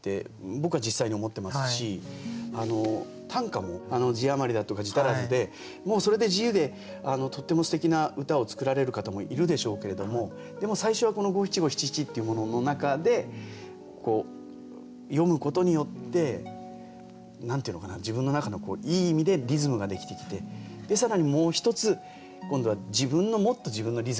僕は実際に思ってますし短歌も字余りだとか字足らずでもうそれで自由でとってもすてきな歌を作られる方もいるでしょうけれどもでも最初はこの五七五七七っていうものの中で詠むことによって何て言うのかな自分の中のいい意味でリズムができてきて更にもう一つ今度は自分のもっと自分のリズムが。